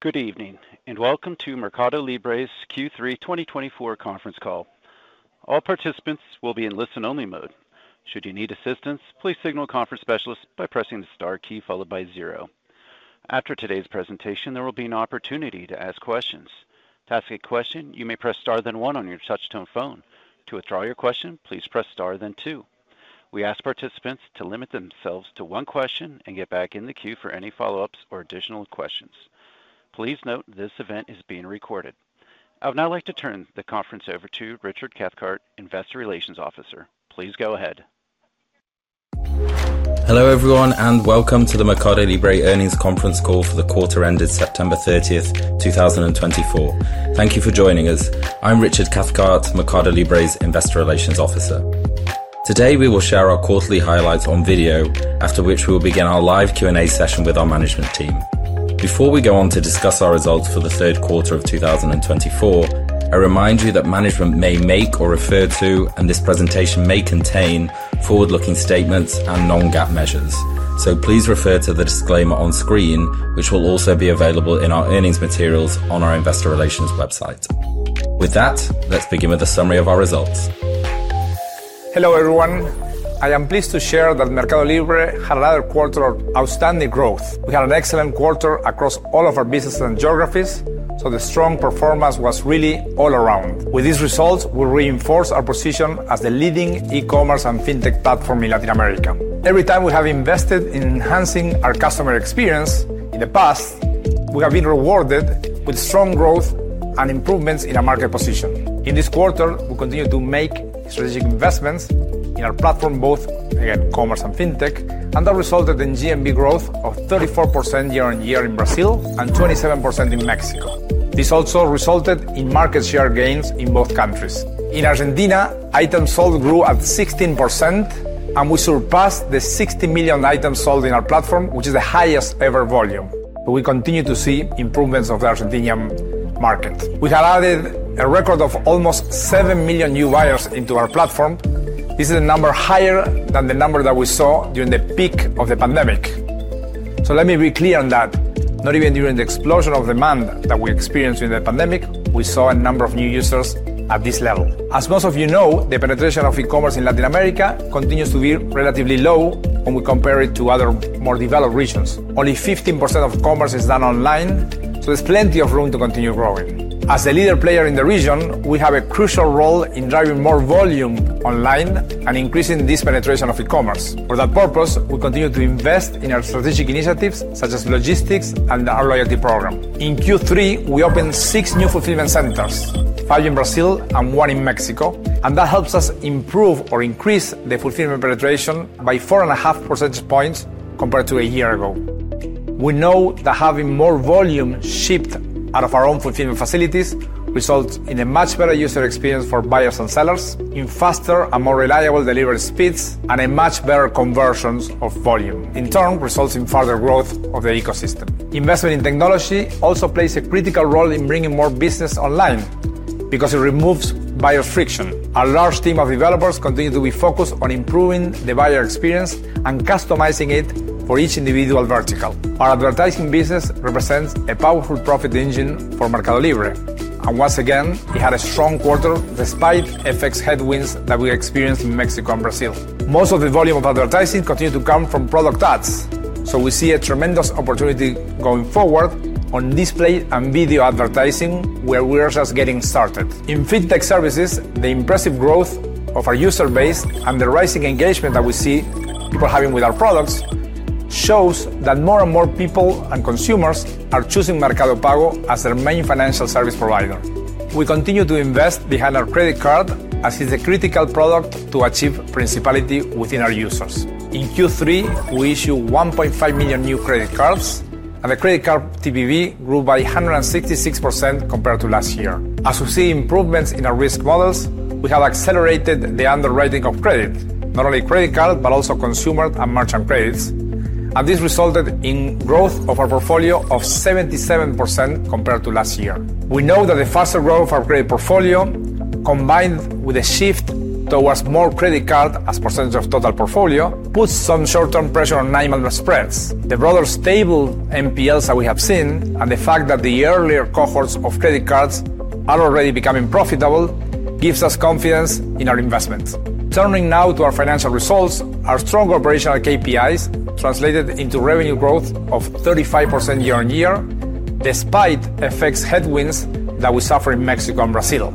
Good evening, and welcome to MercadoLibre's Q3 2024 conference call. All participants will be in listen-only mode. Should you need assistance, please signal conference specialist by pressing the star key followed by zero. After today's presentation, there will be an opportunity to ask questions. To ask a question, you may press star then one on your touch-tone phone. To withdraw your question, please press star then two. We ask participants to limit themselves to one question and get back in the queue for any follow-ups or additional questions. Please note this event is being recorded. I would now like to turn the conference over to Richard Cathcart, Investor Relations Officer. Please go ahead. Hello everyone, and welcome to the MercadoLibre earnings conference call for the quarter ended September 30th, 2024. Thank you for joining us. I'm Richard Cathcart, MercadoLibre's Investor Relations Officer. Today we will share our quarterly highlights on video, after which we will begin our live Q&A session with our management team. Before we go on to discuss our results for the third quarter of 2024, I remind you that management may make or refer to, and this presentation may contain, forward-looking statements and non-GAAP measures. So please refer to the disclaimer on screen, which will also be available in our earnings materials on our Investor Relations website. With that, let's begin with a summary of our results. Hello everyone. I am pleased to share that MercadoLibre had another quarter of outstanding growth. We had an excellent quarter across all of our business and geographies, so the strong performance was really all around. With these results, we reinforce our position as the leading e-commerce and fintech platform in Latin America. Every time we have invested in enhancing our customer experience, in the past, we have been rewarded with strong growth and improvements in our market position. In this quarter, we continue to make strategic investments in our platform, both in commerce and fintech, and that resulted in GMV growth of 34% year on year in Brazil and 27% in Mexico. This also resulted in market share gains in both countries. In Argentina, items sold grew at 16%, and we surpassed the 60 million items sold in our platform, which is the highest ever volume. We continue to see improvements in the Argentine market. We have added a record of almost seven million new buyers into our platform. This is a number higher than the number that we saw during the peak of the pandemic. So let me be clear on that. Not even during the explosion of demand that we experienced during the pandemic, we saw a number of new users at this level. As most of you know, the penetration of e-commerce in Latin America continues to be relatively low when we compare it to other more developed regions. Only 15% of commerce is done online, so there's plenty of room to continue growing. As the leader player in the region, we have a crucial role in driving more volume online and increasing this penetration of e-commerce. For that purpose, we continue to invest in our strategic initiatives such as logistics and our loyalty program. In Q3, we opened six new fulfillment centers, five in Brazil and one in Mexico, and that helps us improve or increase the fulfillment penetration by four and a half percentage points compared to a year ago. We know that having more volume shipped out of our own fulfillment facilities results in a much better user experience for buyers and sellers, in faster and more reliable delivery speeds, and a much better conversion of volume. In turn, it results in further growth of the ecosystem. Investment in technology also plays a critical role in bringing more business online because it removes buyer friction. Our large team of developers continues to be focused on improving the buyer experience and customizing it for each individual vertical. Our advertising business represents a powerful profit engine for MercadoLibre, and once again, it had a strong quarter despite FX headwinds that we experienced in Mexico and Brazil. Most of the volume of advertising continues to come from product ads, so we see a tremendous opportunity going forward on display and video advertising, where we are just getting started. In fintech services, the impressive growth of our user base and the rising engagement that we see people having with our products shows that more and more people and consumers are choosing Mercado Pago as their main financial service provider. We continue to invest behind our credit card as it's a critical product to achieve principality within our users. In Q3, we issued 1.5 million new credit cards, and the credit card TPV grew by 166% compared to last year. As we see improvements in our risk models, we have accelerated the underwriting of credit, not only credit card but also consumer and merchant credits, and this resulted in a growth of our portfolio of 77% compared to last year. We know that the faster growth of our credit portfolio, combined with a shift towards more credit cards as a percentage of total portfolio, puts some short-term pressure on NIMAL. The rather stable NPLs that we have seen, and the fact that the earlier cohorts of credit cards are already becoming profitable, gives us confidence in our investments. Turning now to our financial results, our strong operational KPIs translated into revenue growth of 35% year on year, despite FX headwinds that we suffer in Mexico and Brazil.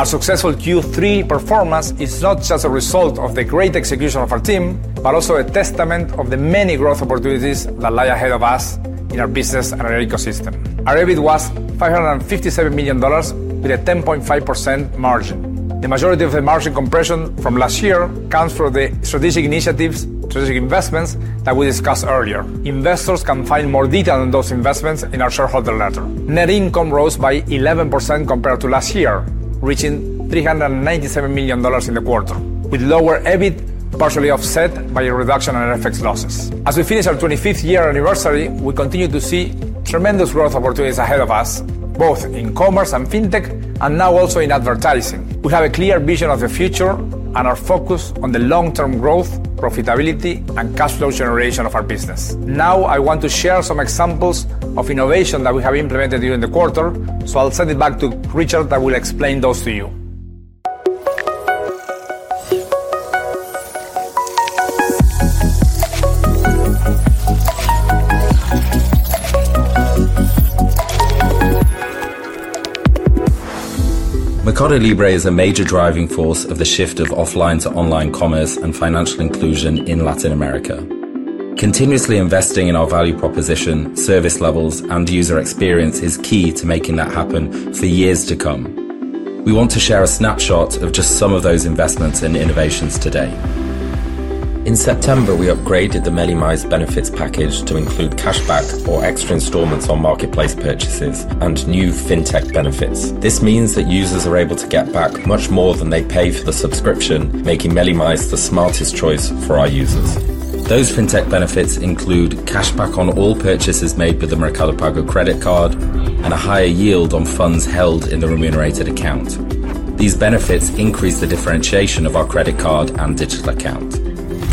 Our successful Q3 performance is not just a result of the great execution of our team, but also a testament to the many growth opportunities that lie ahead of us in our business and our ecosystem. Our EBIT was $557 million with a 10.5% margin. The majority of the margin compression from last year comes from the strategic initiatives, strategic investments that we discussed earlier. Investors can find more detail on those investments in our shareholder letter. Net income rose by 11% compared to last year, reaching $397 million in the quarter, with lower EBIT partially offset by a reduction in FX losses. As we finish our 25th year anniversary, we continue to see tremendous growth opportunities ahead of us, both in commerce and fintech, and now also in advertising. We have a clear vision of the future and our focus on the long-term growth, profitability, and cash flow generation of our business. Now I want to share some examples of innovation that we have implemented during the quarter, so I'll send it back to Richard that will explain those to you. MercadoLibre is a major driving force of the shift of offline to online commerce and financial inclusion in Latin America. Continuously investing in our value proposition, service levels, and user experience is key to making that happen for years to come. We want to share a snapshot of just some of those investments and innovations today. In September, we upgraded the Meli+ benefits package to include cashback or extra installments on marketplace purchases and new fintech benefits. This means that users are able to get back much more than they pay for the subscription, making Meli+ the smartest choice for our users. Those fintech benefits include cashback on all purchases made with the Mercado Pago credit card and a higher yield on funds held in the remunerated account. These benefits increase the differentiation of our credit card and digital account.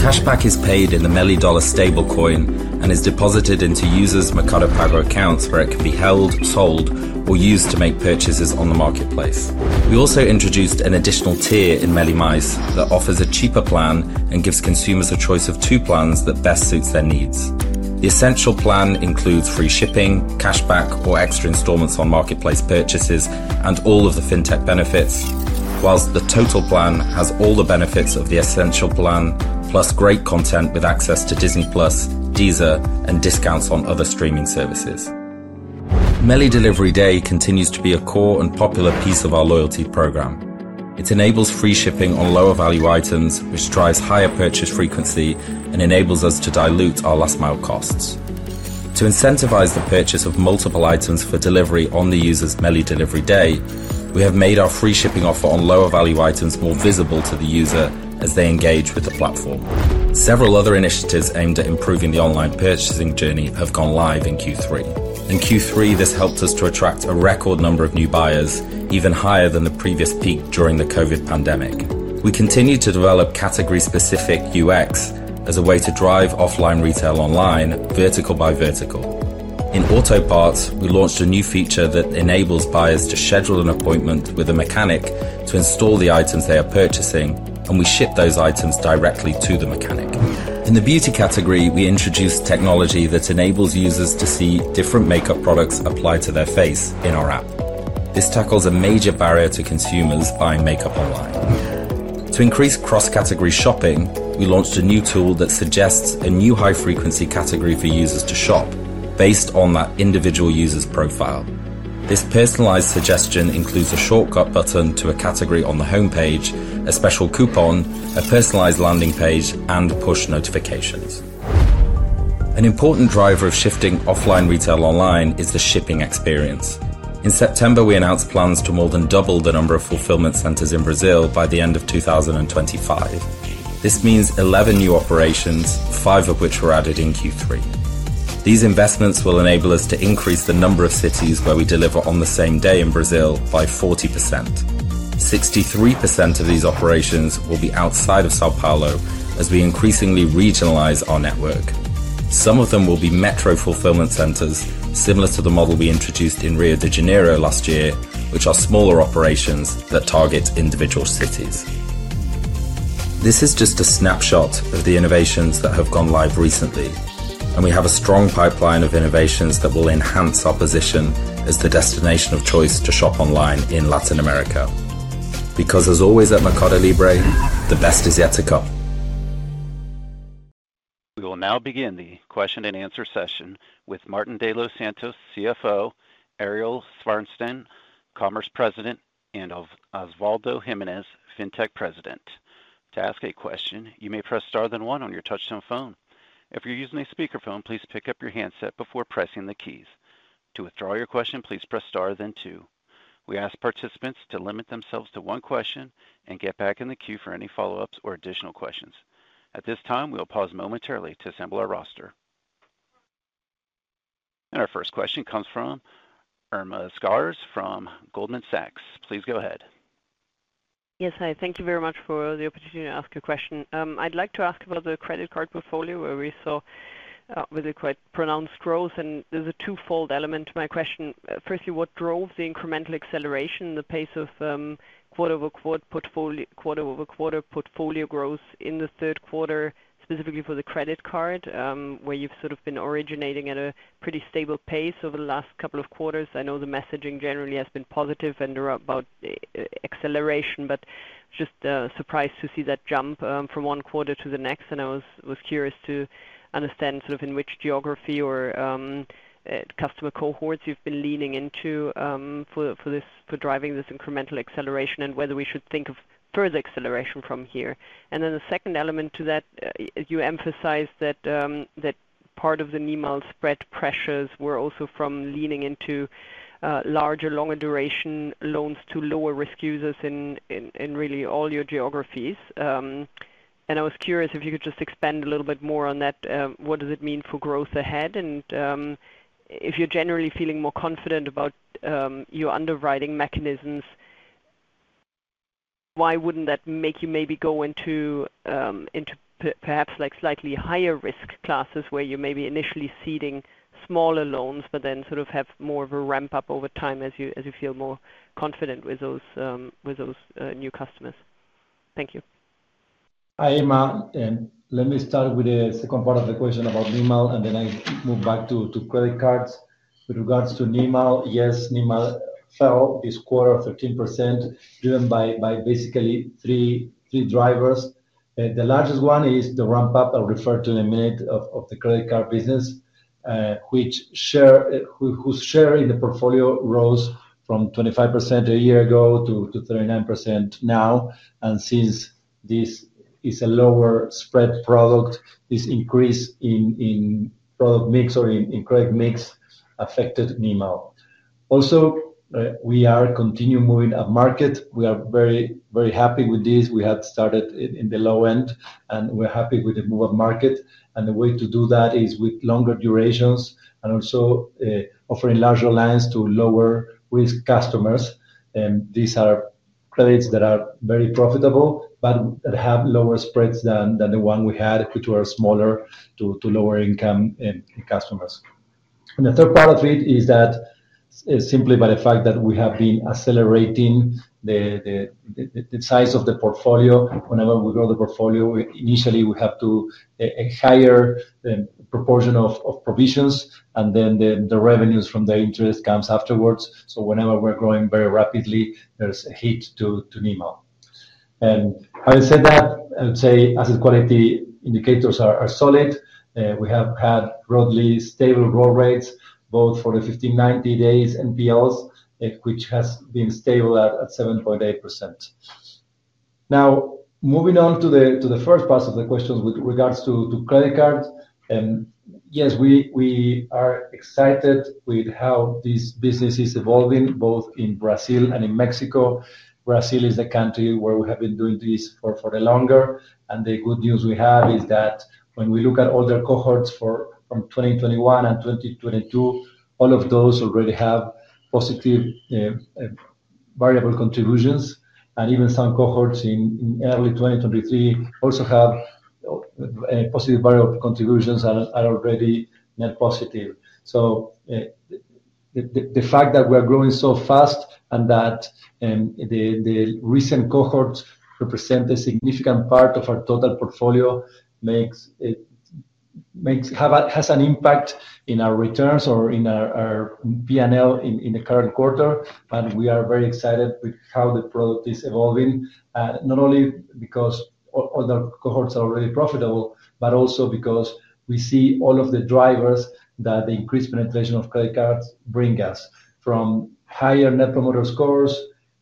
Cashback is paid in the Meli Dollar stablecoin and is deposited into users' Mercado Pago accounts where it can be held, sold, or used to make purchases on the marketplace. We also introduced an additional tier in Meli+ that offers a cheaper plan and gives consumers a choice of two plans that best suits their needs. The Essential plan includes free shipping, cashback, or extra installments on marketplace purchases and all of the fintech benefits, while the Total plan has all the benefits of the Essential plan plus great content with access to Disney+, Deezer, and discounts on other streaming services. Meli Delivery Day continues to be a core and popular piece of our loyalty program. It enables free shipping on lower value items, which drives higher purchase frequency and enables us to dilute our last-mile costs. To incentivize the purchase of multiple items for delivery on the user's Meli Delivery Day, we have made our free shipping offer on lower value items more visible to the user as they engage with the platform. Several other initiatives aimed at improving the online purchasing journey have gone live in Q3. In Q3, this helped us to attract a record number of new buyers, even higher than the previous peak during the COVID pandemic. We continue to develop category-specific UX as a way to drive offline retail online vertical by vertical. In auto parts, we launched a new feature that enables buyers to schedule an appointment with a mechanic to install the items they are purchasing, and we ship those items directly to the mechanic. In the beauty category, we introduced technology that enables users to see different makeup products applied to their face in our app. This tackles a major barrier to consumers buying makeup online. To increase cross-category shopping, we launched a new tool that suggests a new high-frequency category for users to shop based on that individual user's profile. This personalized suggestion includes a shortcut button to a category on the homepage, a special coupon, a personalized landing page, and push notifications. An important driver of shifting offline retail online is the shipping experience. In September, we announced plans to more than double the number of fulfillment centers in Brazil by the end of 2025. This means 11 new operations, five of which were added in Q3. These investments will enable us to increase the number of cities where we deliver on the same day in Brazil by 40%. 63% of these operations will be outside of São Paulo as we increasingly regionalize our network. Some of them will be metro fulfillment centers, similar to the model we introduced in Rio de Janeiro last year, which are smaller operations that target individual cities. This is just a snapshot of the innovations that have gone live recently, and we have a strong pipeline of innovations that will enhance our position as the destination of choice to shop online in Latin America. Because as always at MercadoLibre, the best is yet to come. We will now begin the question and answer session with Martín de los Santos, CFO, Ariel Szarfsztejn, Commerce President, and Osvaldo Giménez, Fintech President. To ask a question, you may press star then one on your touch-tone phone. If you're using a speakerphone, please pick up your handset before pressing the keys. To withdraw your question, please press star then two. We ask participants to limit themselves to one question and get back in the queue for any follow-ups or additional questions. At this time, we'll pause momentarily to assemble our roster. And our first question comes from Irma Sgarz from Goldman Sachs. Please go ahead. Yes, hi. Thank you very much for the opportunity to ask a question. I'd like to ask about the credit card portfolio where we saw quite pronounced growth, and there's a twofold element to my question. Firstly, what drove the incremental acceleration in the pace of quarter-over-quarter portfolio growth in the third quarter, specifically for the credit card, where you've sort of been originating at a pretty stable pace over the last couple of quarters? I know the messaging generally has been positive and about acceleration, but just surprised to see that jump from one quarter to the next, and I was curious to understand sort of in which geography or customer cohorts you've been leaning into for driving this incremental acceleration and whether we should think of further acceleration from here. And then the second element to that, you emphasized that part of the NIMAL spread pressures were also from leaning into larger, longer duration loans to lower risk users in really all your geographies. And I was curious if you could just expand a little bit more on that. What does it mean for growth ahead? And if you're generally feeling more confident about your underwriting mechanisms, why wouldn't that make you maybe go into perhaps slightly higher risk classes where you're maybe initially seeding smaller loans but then sort of have more of a ramp-up over time as you feel more confident with those new customers? Thank you. Hi, Irma. Let me start with the second part of the question about NIMAL, and then I move back to credit cards. With regards to NIMAL, yes, NIMAL fell this quarter, 13%, driven by basically three drivers. The largest one is the ramp-up I'll refer to in a minute of the credit card business, which share in the portfolio rose from 25% a year ago to 39% now. And since this is a lower spread product, this increase in product mix or in credit mix affected NIMAL. Also, we are continuing moving up market. We are very, very happy with this. We had started in the low end, and we're happy with the move-up market. And the way to do that is with longer durations and also offering larger lines to lower-risk customers. These are credits that are very profitable, but they have lower spreads than the one we had, which were smaller to lower-income customers. The third part of it is that simply by the fact that we have been accelerating the size of the portfolio. Whenever we grow the portfolio, initially, we have to higher a proportion of provisions, and then the revenues from the interest come afterwards. Whenever we're growing very rapidly, there's a hit to NIMAL. Having said that, I would say asset quality indicators are solid. We have had broadly stable growth rates, both for the 15-90 days and NPLs, which has been stable at 7.8%. Now, moving on to the first part of the questions with regard to credit cards, yes, we are excited with how this business is evolving, both in Brazil and in Mexico. Brazil is the country where we have been doing this for the longer, and the good news we have is that when we look at all the cohorts from 2021 and 2022, all of those already have positive variable contributions, and even some cohorts in early 2023 also have positive variable contributions and are already net positive. So the fact that we are growing so fast and that the recent cohorts represent a significant part of our total portfolio has an impact in our returns or in our P&L in the current quarter, and we are very excited with how the product is evolving, not only because all the cohorts are already profitable, but also because we see all of the drivers that the increased penetration of credit cards bring us from higher net promoter scores,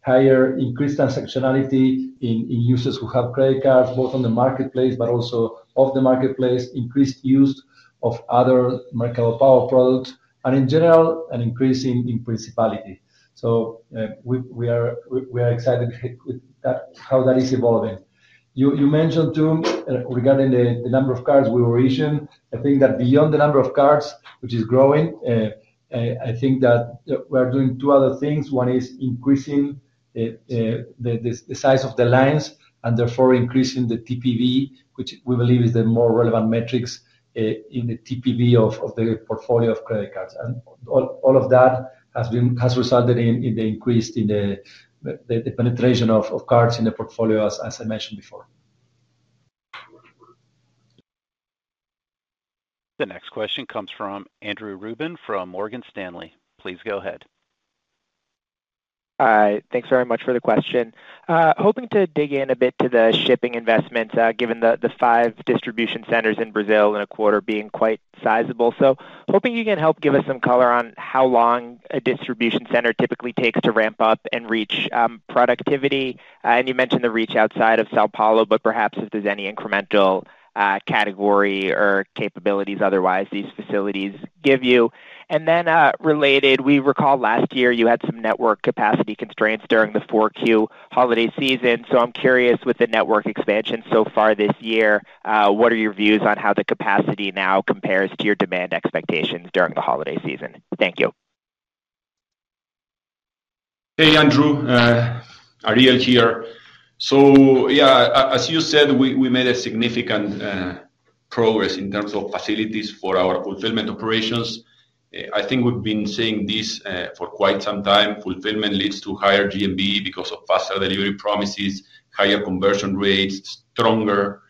higher increased transactionality in users who have credit cards, both on the marketplace but also off the marketplace, increased use of other Mercado Pago products, and in general, an increase in principality. So we are excited with how that is evolving. You mentioned, too, regarding the number of cards we were issuing. I think that beyond the number of cards, which is growing, I think that we are doing two other things. One is increasing the size of the lines and therefore increasing the TPV, which we believe is the more relevant metrics in the TPV of the portfolio of credit cards. And all of that has resulted in the increase in the penetration of cards in the portfolio, as I mentioned before. The next question comes from Andrew Ruben from Morgan Stanley. Please go ahead. Hi. Thanks very much for the question. Hoping to dig in a bit to the shipping investments, given the five distribution centers in Brazil in a quarter being quite sizable. So hoping you can help give us some color on how long a distribution center typically takes to ramp up and reach productivity. And you mentioned the reach outside of São Paulo, but perhaps if there's any incremental category or capabilities otherwise these facilities give you. And then related, we recall last year you had some network capacity constraints during the fourth quarter holiday season. So I'm curious, with the network expansion so far this year, what are your views on how the capacity now compares to your demand expectations during the holiday season? Thank you. Hey, Andrew. Ariel here. So yeah, as you said, we made a significant progress in terms of facilities for our fulfillment operations. I think we've been saying this for quite some time. Fulfillment leads to higher GMV because of faster delivery promises, higher conversion rates, stronger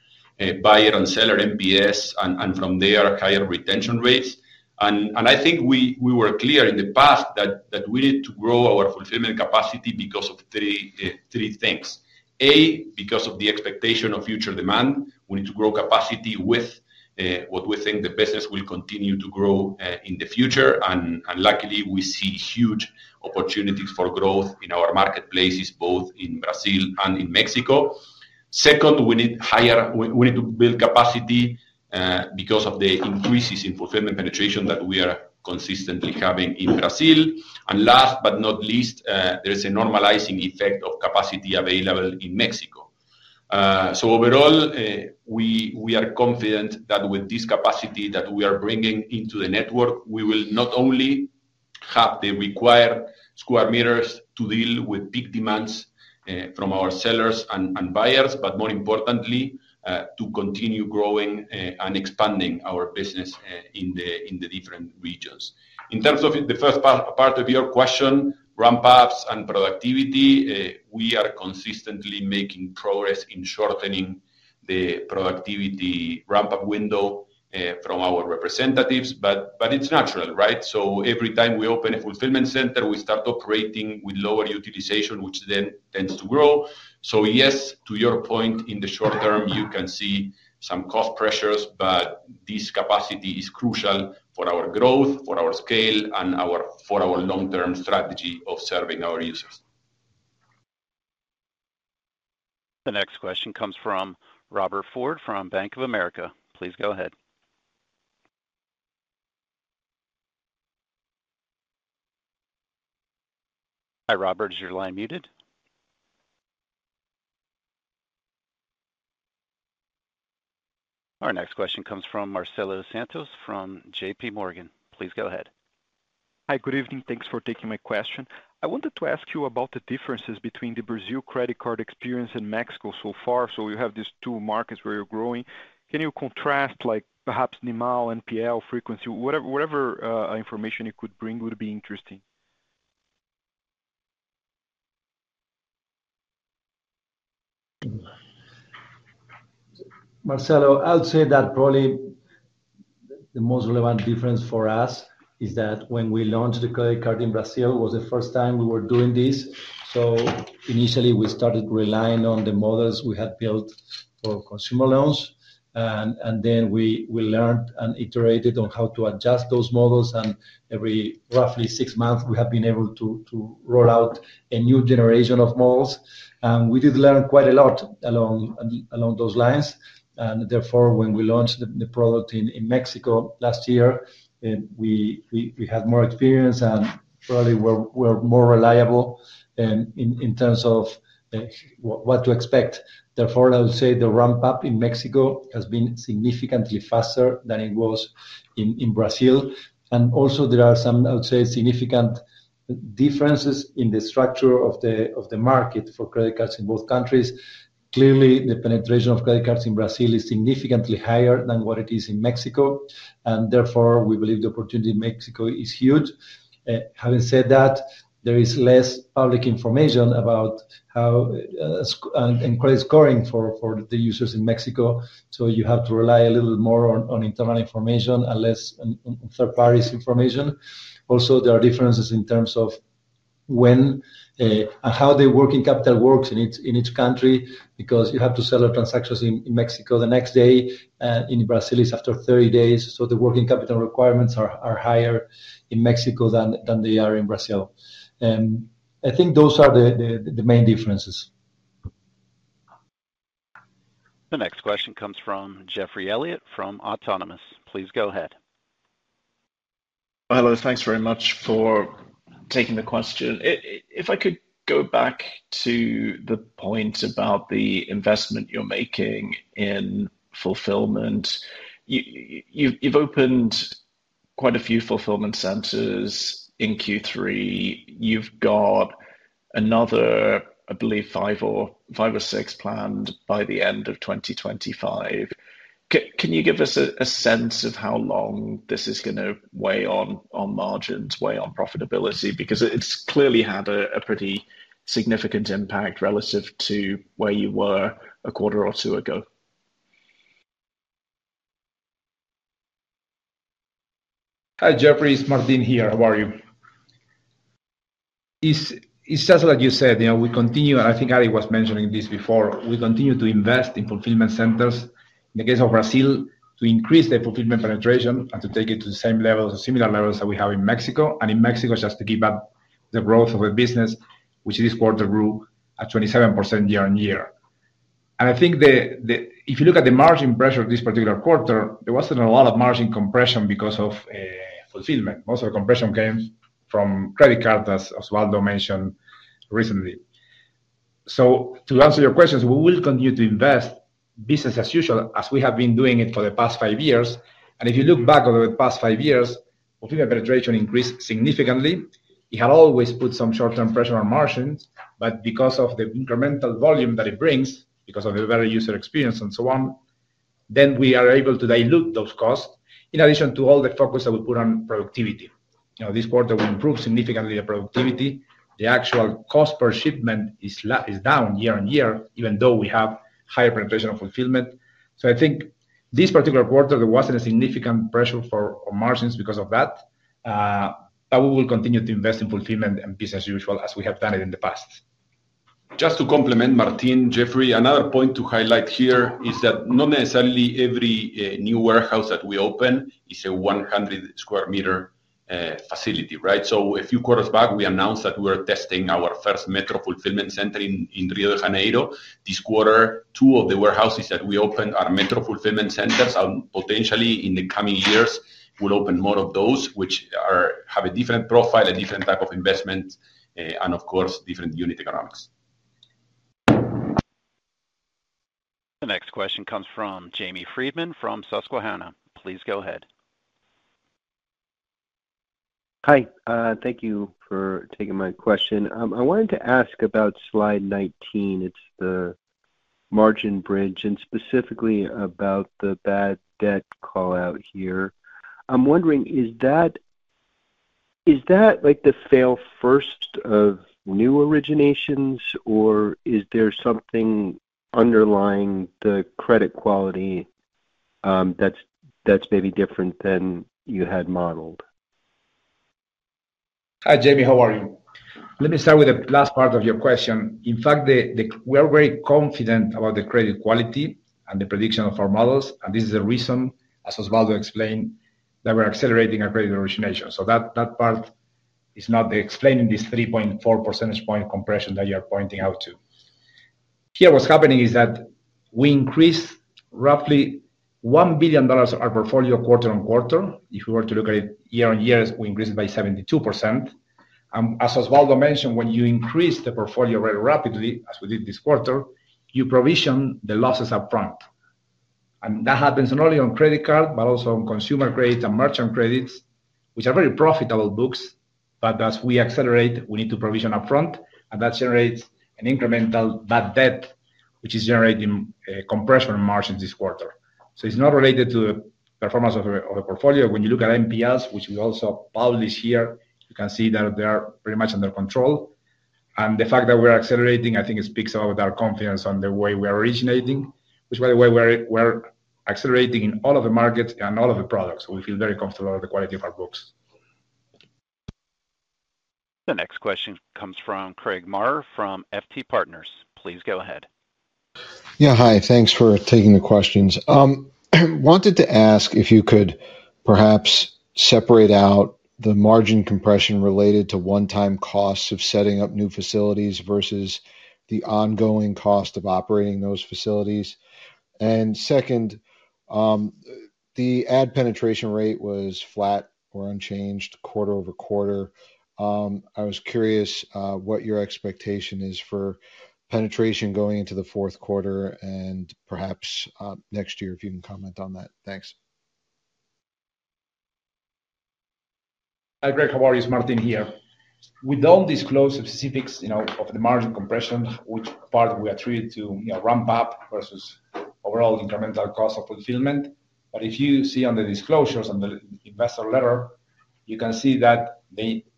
buyer and seller NPS, and from there, higher retention rates. And I think we were clear in the past that we need to grow our fulfillment capacity because of three things. A, because of the expectation of future demand, we need to grow capacity with what we think the business will continue to grow in the future. And luckily, we see huge opportunities for growth in our marketplaces, both in Brazil and in Mexico. Second, we need to build capacity because of the increases in fulfillment penetration that we are consistently having in Brazil. Last but not least, there is a normalizing effect of capacity available in Mexico. Overall, we are confident that with this capacity that we are bringing into the network, we will not only have the required square meters to deal with peak demands from our sellers and buyers, but more importantly, to continue growing and expanding our business in the different regions. In terms of the first part of your question, ramp-ups and productivity, we are consistently making progress in shortening the productivity ramp-up window from our representatives, but it's natural, right? Every time we open a fulfillment center, we start operating with lower utilization, which then tends to grow. Yes, to your point, in the short term, you can see some cost pressures, but this capacity is crucial for our growth, for our scale, and for our long-term strategy of serving our users. The next question comes from Robert Ford from Bank of America. Please go ahead. Hi, Robert. Is your line muted? Our next question comes from Marcelo Santos from JPMorgan. Please go ahead. Hi, good evening. Thanks for taking my question. I wanted to ask you about the differences between the Brazil credit card experience and Mexico so far. So you have these two markets where you're growing. Can you contrast, like perhaps NIMAL, NPL, frequency, whatever information you could bring would be interesting? Marcelo, I'll say that probably the most relevant difference for us is that when we launched the credit card in Brazil, it was the first time we were doing this, so initially, we started relying on the models we had built for consumer loans, and then we learned and iterated on how to adjust those models, and every roughly six months, we have been able to roll out a new generation of models, and we did learn quite a lot along those lines, and therefore, when we launched the product in Mexico last year, we had more experience and probably were more reliable in terms of what to expect. Therefore, I would say the ramp-up in Mexico has been significantly faster than it was in Brazil, and also, there are some, I would say, significant differences in the structure of the market for credit cards in both countries. Clearly, the penetration of credit cards in Brazil is significantly higher than what it is in Mexico. And therefore, we believe the opportunity in Mexico is huge. Having said that, there is less public information about credit scoring for the users in Mexico. So you have to rely a little more on internal information and less on third-party information. Also, there are differences in terms of when and how the working capital works in each country because you have to settle transactions in Mexico the next day. In Brazil, it's after 30 days. So the working capital requirements are higher in Mexico than they are in Brazil. I think those are the main differences. The next question comes from Geoffrey Elliott from Autonomous Research. Please go ahead. Hello. Thanks very much for taking the question. If I could go back to the point about the investment you're making in fulfillment, you've opened quite a few fulfillment centers in Q3. You've got another, I believe, five or six planned by the end of 2025. Can you give us a sense of how long this is going to weigh on margins, weigh on profitability? Because it's clearly had a pretty significant impact relative to where you were a quarter or two ago. Hi, Geoffrey. It's Martín here. How are you? It's just like you said, we continue, and I think Ari was mentioning this before, we continue to invest in fulfillment centers in the case of Brazil to increase the fulfillment penetration and to take it to the same levels, similar levels that we have in Mexico, and in Mexico, just to keep up the growth of the business, which this quarter grew at 27% year on year. And I think if you look at the margin pressure this particular quarter, there wasn't a lot of margin compression because of fulfillment. Most of the compression came from credit cards, as Osvaldo mentioned recently, so to answer your questions, we will continue to invest business as usual, as we have been doing it for the past five years, and if you look back over the past five years, fulfillment penetration increased significantly. It had always put some short-term pressure on margins, but because of the incremental volume that it brings, because of the better user experience and so on, then we are able to dilute those costs in addition to all the focus that we put on productivity. This quarter, we improved significantly the productivity. The actual cost per shipment is down year on year, even though we have higher penetration of fulfillment. So I think this particular quarter, there wasn't a significant pressure for margins because of that. But we will continue to invest in fulfillment and business as usual, as we have done it in the past. Just to complement, Martín, Geoffrey, another point to highlight here is that not necessarily every new warehouse that we open is a 100-sq-m facility, right? So a few quarters back, we announced that we were testing our first Metro Fulfillment Center in Rio de Janeiro. This quarter, two of the warehouses that we opened are Metro Fulfillment Centers. Potentially, in the coming years, we'll open more of those, which have a different profile, a different type of investment, and of course, different unit economics. The next question comes from Jamie Friedman from Susquehanna. Please go ahead. Hi. Thank you for taking my question. I wanted to ask about slide 19. It's the margin bridge and specifically about the bad debt callout here. I'm wondering, is that the front loading of new originations, or is there something underlying the credit quality that's maybe different than you had modeled? Hi, Jamie. How are you? Let me start with the last part of your question. In fact, we are very confident about the credit quality and the prediction of our models, and this is the reason, as Osvaldo explained, that we're accelerating our credit origination, so that part is not explaining this 3.4 percentage point compression that you are pointing out to. Here, what's happening is that we increased roughly $1 billion our portfolio quarter on quarter. If we were to look at it year on year, we increased by 72%. As Osvaldo mentioned, when you increase the portfolio very rapidly, as we did this quarter, you provision the losses upfront, and that happens not only on credit cards, but also on consumer credits and merchant credits, which are very profitable books. But as we accelerate, we need to provision upfront, and that generates an incremental bad debt, which is generating compression margins this quarter. So it's not related to the performance of the portfolio. When you look at NPLs, which we also publish here, you can see that they are pretty much under control. And the fact that we are accelerating, I think, speaks about our confidence on the way we are originating, which, by the way, we're accelerating in all of the markets and all of the products. So we feel very comfortable with the quality of our books. The next question comes from Craig Maurer from FT Partners. Please go ahead. Yeah. Hi. Thanks for taking the questions. Wanted to ask if you could perhaps separate out the margin compression related to one-time costs of setting up new facilities versus the ongoing cost of operating those facilities. And second, the ad penetration rate was flat or unchanged quarter over quarter. I was curious what your expectation is for penetration going into the fourth quarter and perhaps next year, if you can comment on that. Thanks. Hi, Greg. How are you? Martín here. We don't disclose the specifics of the margin compression, which part we attribute to ramp-up versus overall incremental cost of fulfillment. But if you see on the disclosures and the investor letter, you can see that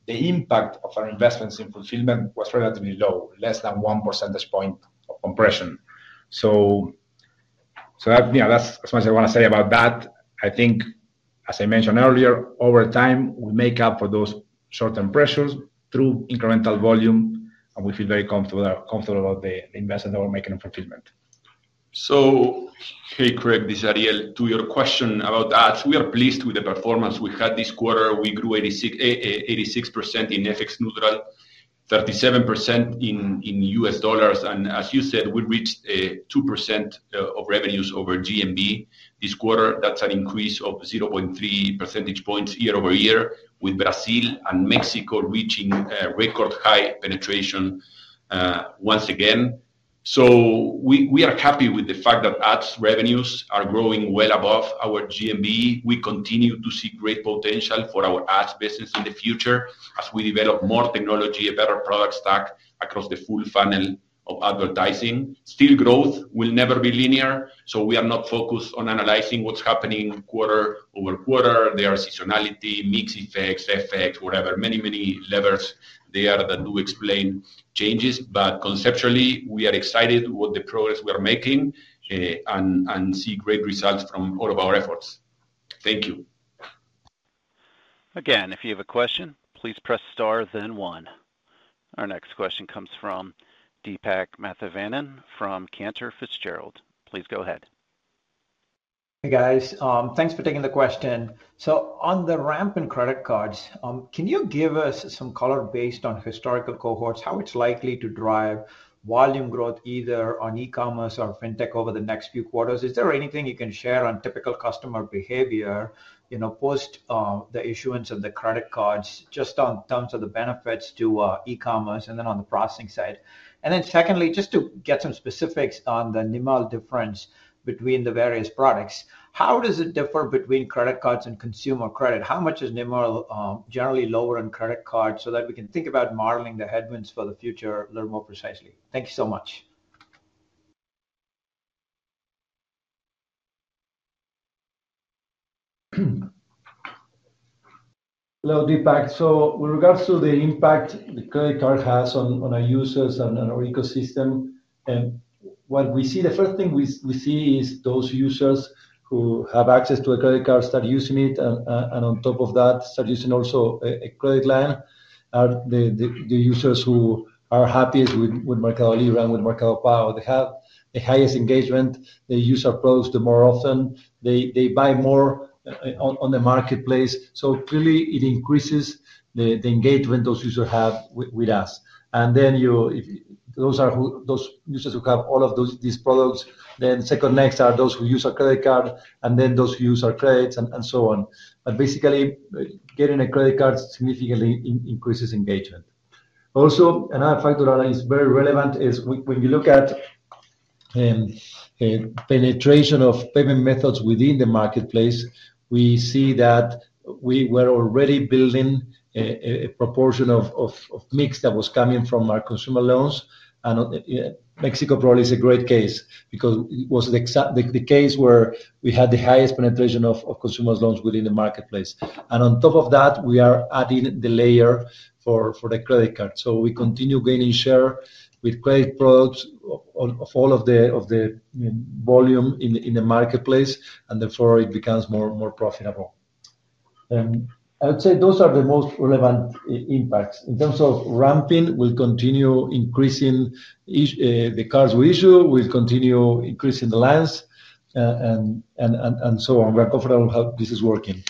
the impact of our investments in fulfillment was relatively low, less than 1 percentage point of compression, so that's as much as I want to say about that. I think, as I mentioned earlier, over time, we make up for those short-term pressures through incremental volume, and we feel very comfortable about the investment that we're making in fulfillment, so hey, Craig, this is Ariel. To your question about ads, we are pleased with the performance we had this quarter. We grew 86% in FX neutral, 37% in US dollars, and as you said, we reached 2% of revenues over GMV this quarter. That's an increase of 0.3 percentage points year over year, with Brazil and Mexico reaching record high penetration once again. So we are happy with the fact that ads revenues are growing well above our GMV. We continue to see great potential for our ads business in the future as we develop more technology, a better product stack across the full funnel of advertising. Still, growth will never be linear. So we are not focused on analyzing what's happening quarter over quarter. There are seasonality, mixed effects, whatever. Many, many levers there that do explain changes. But conceptually, we are excited with the progress we are making and see great results from all of our efforts. Thank you. Again, if you have a question, please press star, then one. Our next question comes from Deepak Mathivanan from Cantor Fitzgerald. Please go ahead. Hey, guys. Thanks for taking the question. So on the ramp in credit cards, can you give us some color based on historical cohorts, how it's likely to drive volume growth either on e-commerce or fintech over the next few quarters? Is there anything you can share on typical customer behavior post the issuance of the credit cards, just in terms of the benefits to e-commerce and then on the processing side? And then secondly, just to get some specifics on the NIMAL difference between the various products, how does it differ between credit cards and consumer credit? How much is NIMAL generally lower on credit cards so that we can think about modeling the headwinds for the future a little more precisely? Thank you so much. Hello, Deepak. So with regards to the impact the credit card has on our users and our ecosystem, what we see, the first thing we see is those users who have access to a credit card, start using it, and on top of that, start using also a credit line, are the users who are happiest with MercadoLibre, with Mercado Pago. They have the highest engagement. They use our products more often. They buy more on the marketplace. So clearly, it increases the engagement those users have with us. And then those users who have all of these products, then second next are those who use our credit card, and then those who use our credits, and so on. But basically, getting a credit card significantly increases engagement. Also, another factor that is very relevant is when you look at penetration of payment methods within the marketplace. We see that we were already building a proportion of mix that was coming from our consumer loans. And Mexico probably is a great case because it was the case where we had the highest penetration of consumer loans within the marketplace. And on top of that, we are adding the layer for the credit card. So we continue gaining share with credit products of all of the volume in the marketplace, and therefore, it becomes more profitable. And I would say those are the most relevant impacts. In terms of ramping, we'll continue increasing the cards we issue. We'll continue increasing the lines, and so on. We're comfortable how this is working.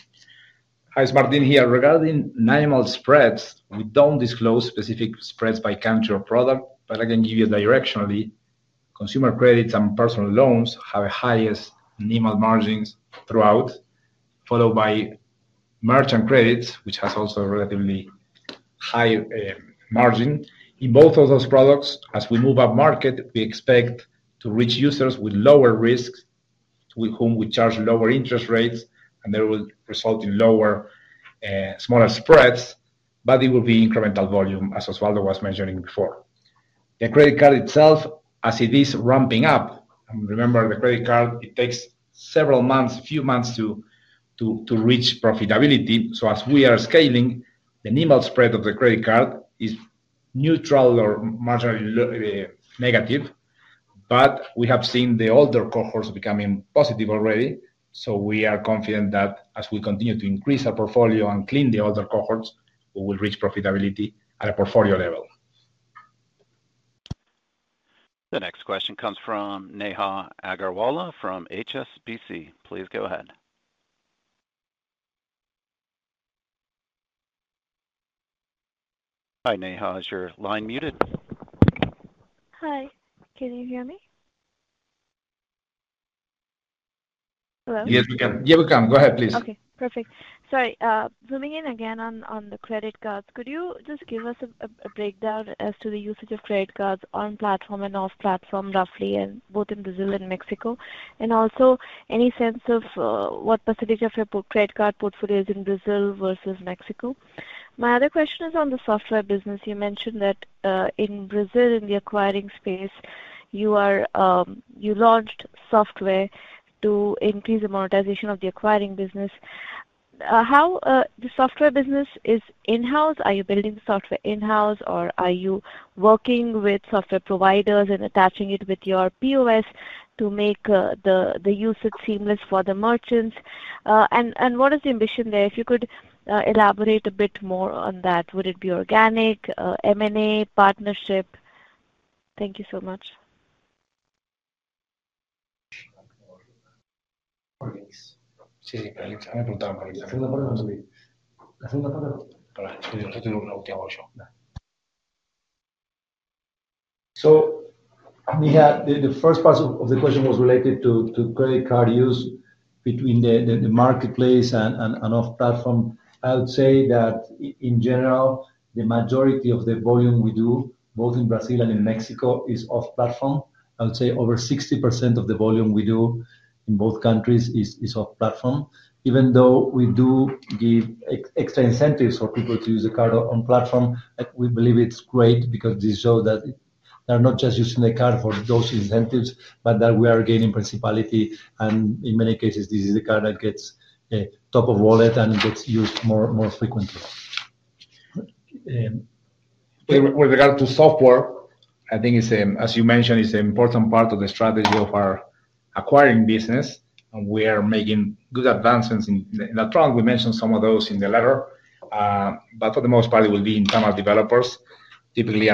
Hi, it's Martín here. Regarding NIMAL spreads, we don't disclose specific spreads by country or product. But I can give you directionally, consumer credits and personal loans have the highest NIMAL margins throughout, followed by merchant credits, which has also a relatively high margin. In both of those products, as we move up market, we expect to reach users with lower risks, with whom we charge lower interest rates, and they will result in smaller spreads. But it will be incremental volume, as Osvaldo was mentioning before. The credit card itself, as it is ramping up, remember the credit card, it takes several months, a few months to reach profitability. So as we are scaling, the NIMAL spread of the credit card is neutral or marginally negative. But we have seen the older cohorts becoming positive already. So we are confident that as we continue to increase our portfolio and clean the older cohorts, we will reach profitability at a portfolio level. The next question comes from Neha Agarwala from HSBC. Please go ahead. Hi, Neha. Is your line muted? Hi. Can you hear me? Hello? Yes, we can. Yeah, we can. Go ahead, please. Okay. Perfect. Sorry. Zooming in again on the credit cards, could you just give us a breakdown as to the usage of credit cards on platform and off platform, roughly, both in Brazil and Mexico? And also, any sense of what percentage of your credit card portfolio is in Brazil versus Mexico? My other question is on the software business. You mentioned that in Brazil, in the acquiring space, you launched software to increase the monetization of the acquiring business. How the software business is in-house? Are you building the software in-house, or are you working with software providers and attaching it with your POS to make the usage seamless for the merchants? And what is the ambition there? If you could elaborate a bit more on that, would it be organic, M&A, partnership? Thank you so much. So the first part of the question was related to credit card use between the marketplace and off platform. I would say that in general, the majority of the volume we do, both in Brazil and in Mexico, is off platform. I would say over 60% of the volume we do in both countries is off platform. Even though we do give extra incentives for people to use the card on platform, we believe it's great because this shows that they're not just using the card for those incentives, but that we are gaining principality. And in many cases, this is the card that gets top of wallet and gets used more frequently. With regard to software, I think, as you mentioned, it's an important part of the strategy of our acquiring business. We are making good advancements in that front. We mentioned some of those in the letter. But for the most part, it will be internal developers. Typically, we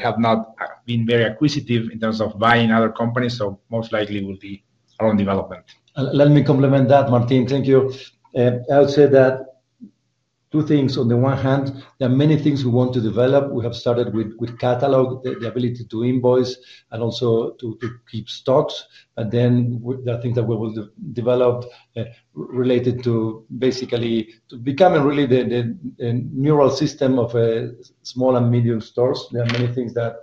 have not been very acquisitive in terms of buying other companies, so most likely will be our own development. Let me complement that, Martín. Thank you. I would say that two things. On the one hand, there are many things we want to develop. We have started with catalog, the ability to invoice, and also to keep stocks. But then there are things that we will develop related to basically becoming really the neural system of small and medium stores. There are many things that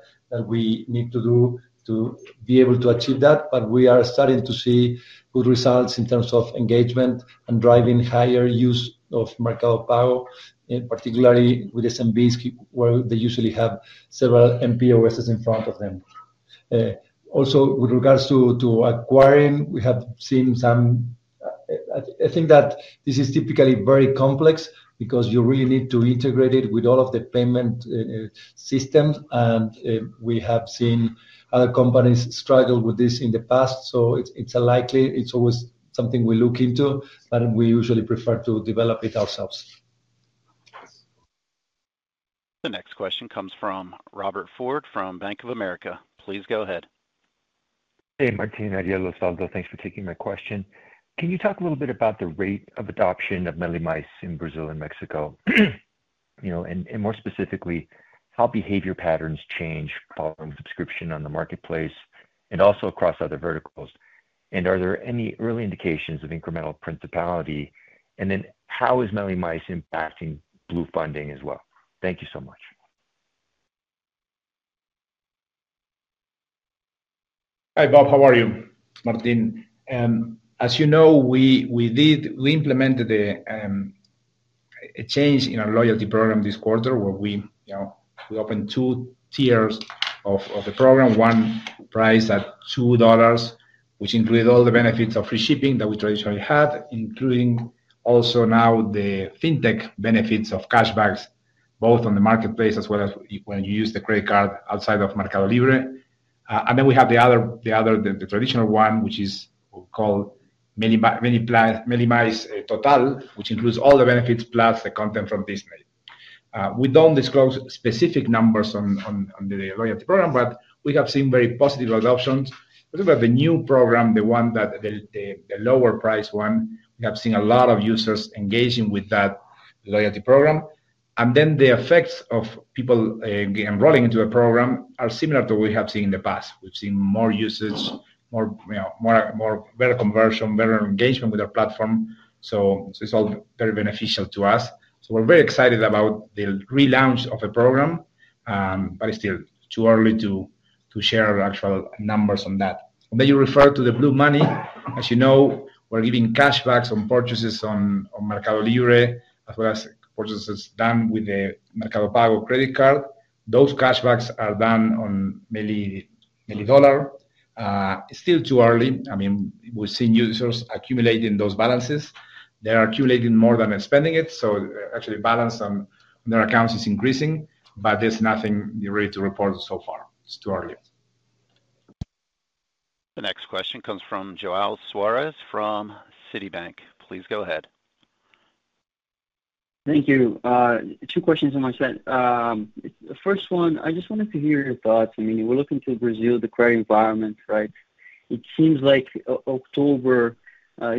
we need to do to be able to achieve that. But we are starting to see good results in terms of engagement and driving higher use of Mercado Pago, particularly with SMBs, where they usually have several MPOS in front of them. Also, with regards to acquiring, we have seen some. I think that this is typically very complex because you really need to integrate it with all of the payment systems. We have seen other companies struggle with this in the past. It's likely. It's always something we look into, but we usually prefer to develop it ourselves. The next question comes from Robert Ford from Bank of America. Please go ahead. Hey, Martín, Ariel, Osvaldo, thanks for taking my question. Can you talk a little bit about the rate of adoption of Meli+ in Brazil and Mexico? And more specifically, how behavior patterns change following subscription on the marketplace and also across other verticals? And are there any early indications of incremental principality? And then how is Meli+ impacting float funding as well? Thank you so much. Hi, Bob. How are you, Martín? As you know, we implemented a change in our loyalty program this quarter where we opened two tiers of the program. One priced at $2, which included all the benefits of free shipping that we traditionally had, including also now the fintech benefits of cashbacks, both on the marketplace as well as when you use the credit card outside of MercadoLibre. And then we have the traditional one, which is called Meli+ Total, which includes all the benefits plus the content from Disney. We don't disclose specific numbers on the loyalty program, but we have seen very positive adoptions. The new program, the one that the lower-priced one, we have seen a lot of users engaging with that loyalty program. And then the effects of people enrolling into the program are similar to what we have seen in the past. We've seen more usage, more better conversion, better engagement with our platform. So it's all very beneficial to us. So we're very excited about the relaunch of the program, but it's still too early to share actual numbers on that. When you refer to the float money, as you know, we're giving cashbacks on purchases on MercadoLibre, as well as purchases done with the Mercado Pago credit card. Those cashbacks are done on Meli Dollar. It's still too early. I mean, we've seen users accumulating those balances. They're accumulating more than they're spending it. So actually, balance on their accounts is increasing, but there's nothing ready to report so far. It's too early. The next question comes from João Soares from Citibank. Please go ahead. Thank you. Two questions in one set. The first one, I just wanted to hear your thoughts. I mean, we're looking to Brazil, the credit environment, right? It seems like October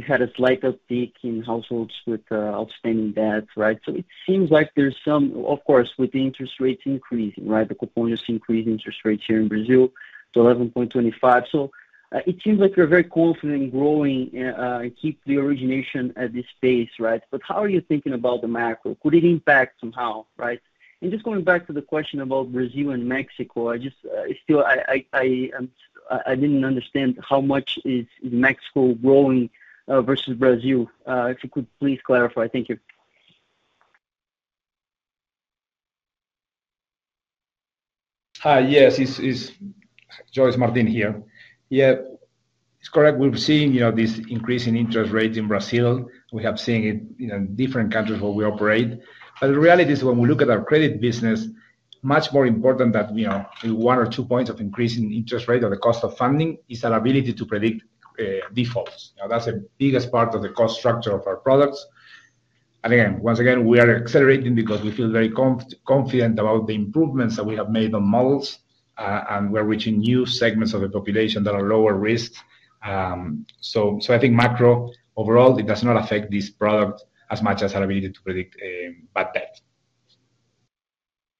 had a slight uptick in households with outstanding debts, right? So it seems like there's some, of course, with the interest rates increasing, right? The Copom increased interest rates here in Brazil to 11.25%. So it seems like you're very confident in growing and keep the origination at this pace, right? But how are you thinking about the macro? Could it impact somehow, right? And just going back to the question about Brazil and Mexico, I didn't understand how much is Mexico growing versus Brazil. If you could please clarify. Thank you. Hi, yes. João, Martín here. Yeah. It's correct. We've seen this increase in interest rates in Brazil. We have seen it in different countries where we operate. But the reality is when we look at our credit business, much more important than one or two points of increase in interest rate or the cost of funding is our ability to predict defaults. That's the biggest part of the cost structure of our products. And again, once again, we are accelerating because we feel very confident about the improvements that we have made on models, and we're reaching new segments of the population that are lower risk. So I think macro overall, it does not affect this product as much as our ability to predict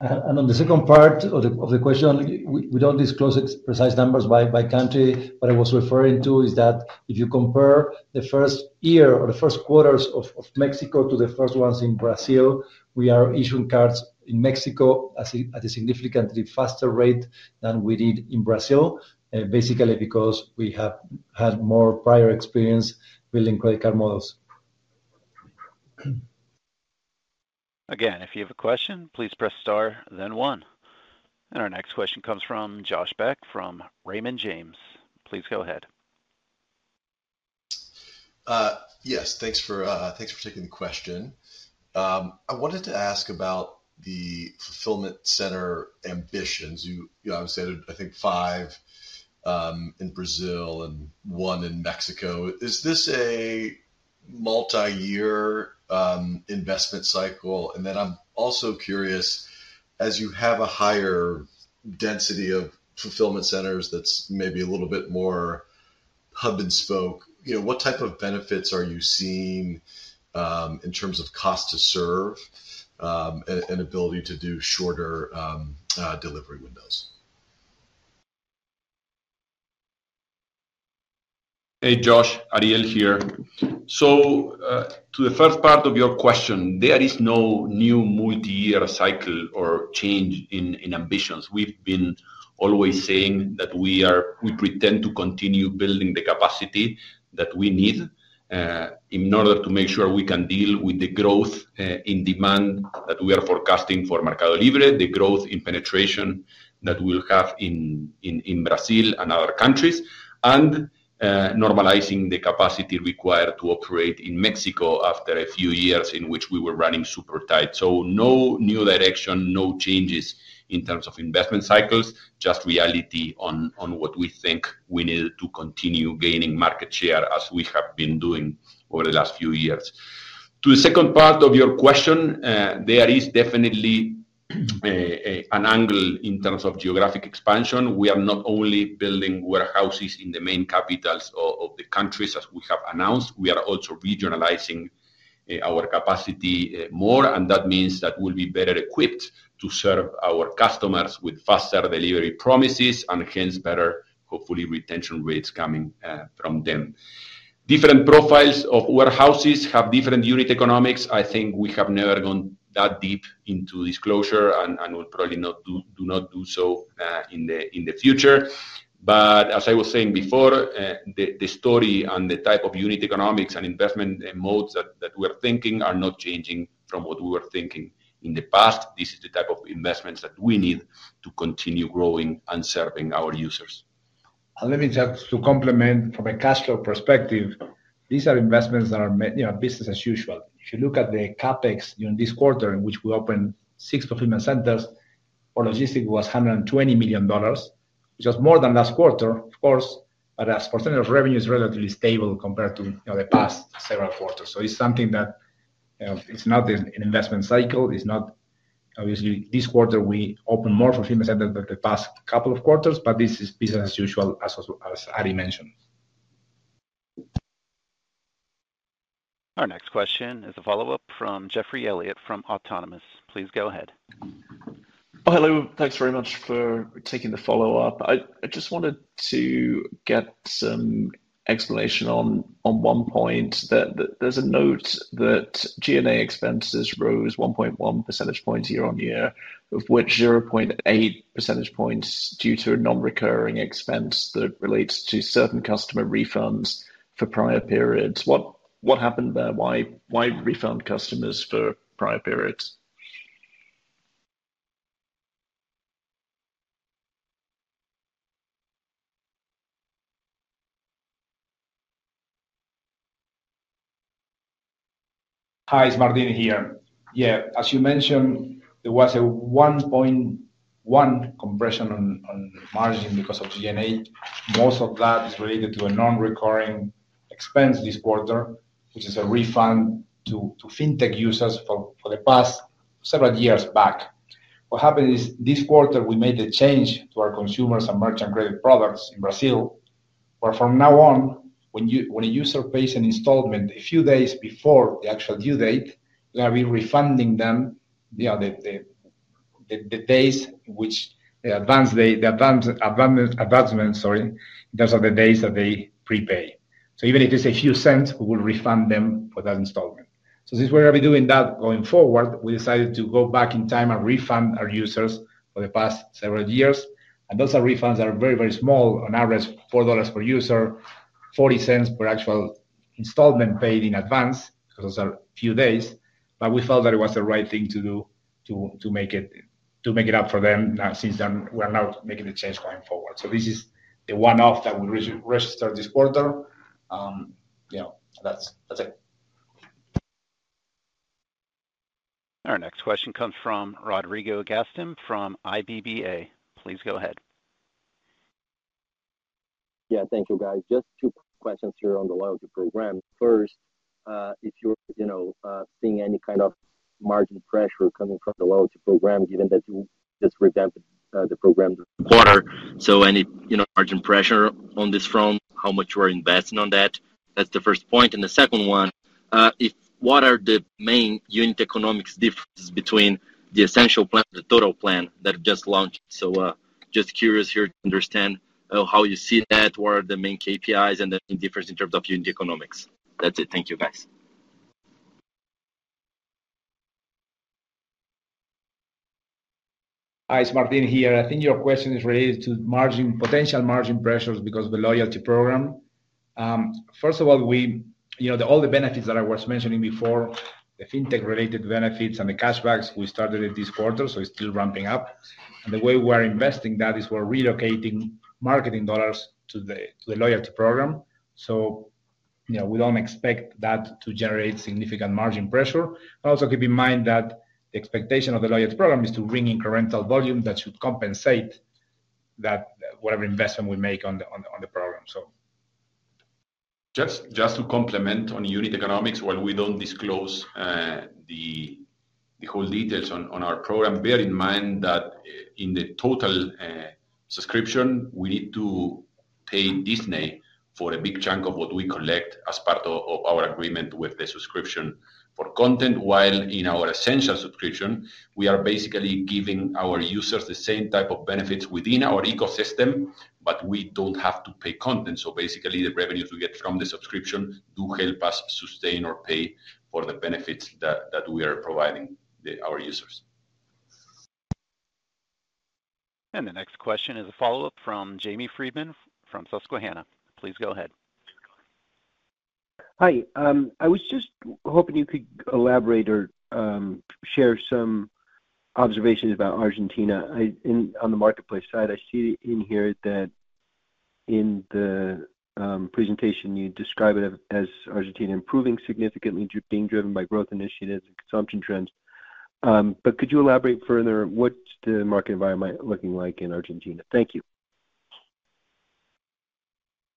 bad debt. On the second part of the question, we don't disclose precise numbers by country, but what I was referring to is that if you compare the first year or the first quarters of Mexico to the first ones in Brazil, we are issuing cards in Mexico at a significantly faster rate than we did in Brazil, basically because we have had more prior experience building credit card models. Again, if you have a question, please press star, then one. And our next question comes from Josh Beck from Raymond James. Please go ahead. Yes. Thanks for taking the question. I wanted to ask about the fulfillment center ambitions. You obviously had, I think, five in Brazil and one in Mexico. Is this a multi-year investment cycle? And then I'm also curious, as you have a higher density of fulfillment centers that's maybe a little bit more hub-and-spoke, what type of benefits are you seeing in terms of cost to serve and ability to do shorter delivery windows? Hey, Josh. Ariel here. So to the first part of your question, there is no new multi-year cycle or change in ambitions. We've been always saying that we pretend to continue building the capacity that we need in order to make sure we can deal with the growth in demand that we are forecasting for MercadoLibre, the growth in penetration that we'll have in Brazil and other countries, and normalizing the capacity required to operate in Mexico after a few years in which we were running super tight. So no new direction, no changes in terms of investment cycles, just reality on what we think we need to continue gaining market share as we have been doing over the last few years. To the second part of your question, there is definitely an angle in terms of geographic expansion. We are not only building warehouses in the main capitals of the countries, as we have announced. We are also regionalizing our capacity more, and that means that we'll be better equipped to serve our customers with faster delivery promises and hence better, hopefully, retention rates coming from them. Different profiles of warehouses have different unit economics. I think we have never gone that deep into disclosure and will probably not do so in the future, but as I was saying before, the story and the type of unit economics and investment modes that we are thinking are not changing from what we were thinking in the past. This is the type of investments that we need to continue growing and serving our users, and let me just comment from a cash flow perspective. These are investments that are business as usual. If you look at the CapEx this quarter, in which we opened six fulfillment centers, our logistics was $120 million, which was more than last quarter, of course, but as percentage of revenue is relatively stable compared to the past several quarters. So it's something that it's not an investment cycle. Obviously, this quarter, we opened more fulfillment centers than the past couple of quarters, but this is business as usual, as Ari mentioned. Our next question is a follow-up from Geoffrey Elliott from Autonomous Research. Please go ahead. Oh, hello. Thanks very much for taking the follow-up. I just wanted to get some explanation on one point. There's a note that G&A expenses rose 1.1 percentage points year on year, of which 0.8 percentage points due to a non-recurring expense that relates to certain customer refunds for prior periods. What happened there? Why refund customers for prior periods? Hi, it's Martín here. Yeah. As you mentioned, there was a 1.1 compression on margin because of G&A. Most of that is related to a non-recurring expense this quarter, which is a refund to fintech users for the past several years back. What happened is this quarter, we made a change to our consumers and merchant credit products in Brazil, where from now on, when a user pays an installment a few days before the actual due date, we're going to be refunding them the days in which the advancement, sorry, in terms of the days that they prepay. So even if it's a few cents, we will refund them for that installment. So since we're going to be doing that going forward, we decided to go back in time and refund our users for the past several years, and those refunds are very, very small. On average, $4 per user, $0.40 per actual installment paid in advance because those are a few days. But we felt that it was the right thing to do to make it up for them since we are now making the change going forward. So this is the one-off that we registered this quarter. That's it. Our next question comes from Rodrigo Nistor from Itaú BBA. Please go ahead. Yeah. Thank you, guys. Just two questions here on the loyalty program. First, if you're seeing any kind of margin pressure coming from the loyalty program, given that you just revamped the program? Quarter. So any margin pressure on this front, how much you are investing on that? That's the first point. And the second one, what are the main unit economics differences between the Essential plan and the Total plan that just launched? So just curious here to understand how you see that, what are the main KPIs, and the difference in terms of unit economics. That's it. Thank you, guys. Hi, it's Martín here. I think your question is related to potential margin pressures because of the loyalty program. First of all, all the benefits that I was mentioning before, the fintech-related benefits and the cashbacks, we started it this quarter, so it's still ramping up. And the way we are investing that is we're relocating marketing dollars to the loyalty program. So we don't expect that to generate significant margin pressure. But also keep in mind that the expectation of the loyalty program is to bring incremental volume that should compensate whatever investment we make on the program, so. Just to complement on unit economics, while we don't disclose the whole details on our program, bear in mind that in the Total subscription, we need to pay Disney for a big chunk of what we collect as part of our agreement with the subscription for content. While in our Essential subscription, we are basically giving our users the same type of benefits within our ecosystem, but we don't have to pay content. So basically, the revenues we get from the subscription do help us sustain or pay for the benefits that we are providing our users. The next question is a follow-up from Jamie Friedman from Susquehanna. Please go ahead. Hi. I was just hoping you could elaborate or share some observations about Argentina. On the marketplace side, I see in here that in the presentation, you describe it as Argentina improving significantly, being driven by growth initiatives and consumption trends. But could you elaborate further? What's the market environment looking like in Argentina? Thank you.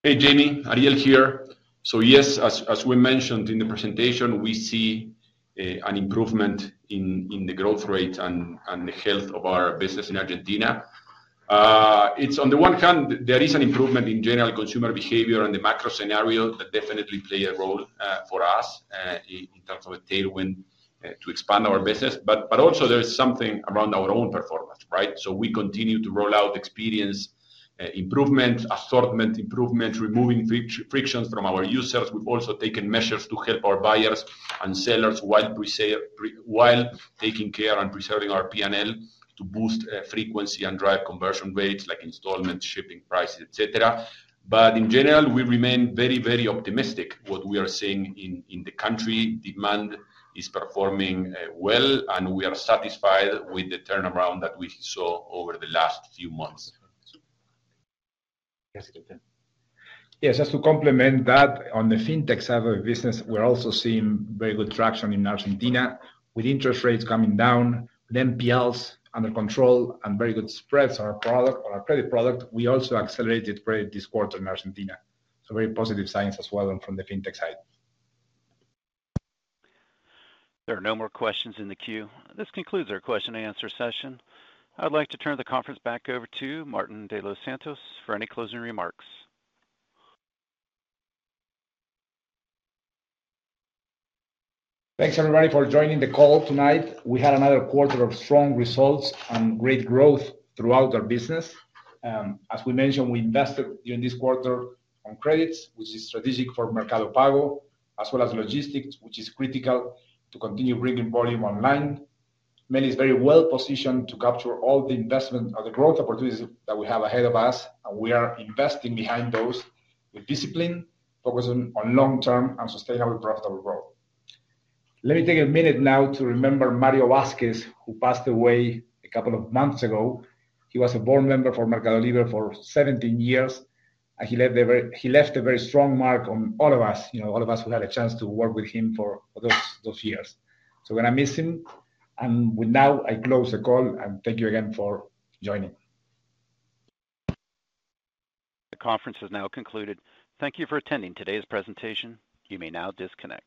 Hey, Jamie. Ariel here. So yes, as we mentioned in the presentation, we see an improvement in the growth rate and the health of our business in Argentina. On the one hand, there is an improvement in general consumer behavior and the macro scenario that definitely plays a role for us in terms of a tailwind to expand our business. But also, there is something around our own performance, right? So we continue to roll out experience improvement, assortment improvement, removing frictions from our users. We've also taken measures to help our buyers and sellers while taking care and preserving our P&L to boost frequency and drive conversion rates like installment, shipping prices, etc. But in general, we remain very, very optimistic what we are seeing in the country. Demand is performing well, and we are satisfied with the turnaround that we saw over the last few months. Yes. Just to complement that, on the fintech side of the business, we're also seeing very good traction in Argentina. With interest rates coming down, the NPLs under control and very good spreads on our credit product, we also accelerated credit this quarter in Argentina. So very positive signs as well from the fintech side. There are no more questions in the queue. This concludes our question-and-answer session. I'd like to turn the conference back over to Martín de los Santos for any closing remarks. Thanks, everybody, for joining the call tonight. We had another quarter of strong results and great growth throughout our business. As we mentioned, we invested during this quarter on credits, which is strategic for Mercado Pago, as well as logistics, which is critical to continue bringing volume online. MercadoLibre is very well positioned to capture all the investment or the growth opportunities that we have ahead of us, and we are investing behind those with discipline, focusing on long-term and sustainable profitable growth. Let me take a minute now to remember Mario Vázquez, who passed away a couple of months ago. He was a board member for MercadoLibre for 17 years, and he left a very strong mark on all of us, all of us who had a chance to work with him for those years. So we're going to miss him. Now I close the call, and thank you again for joining. The conference has now concluded. Thank you for attending today's presentation. You may now disconnect.